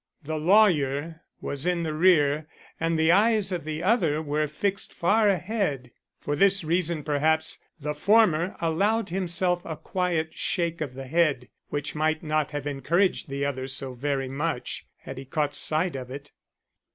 The lawyer was in the rear and the eyes of the other were fixed far ahead. For this reason, perhaps, the former allowed himself a quiet shake of the head, which might not have encouraged the other so very much, had he caught sight of it.